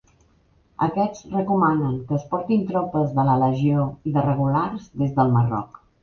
Aquests recomanen que es portin tropes de la Legió i de Regulars des del Marroc.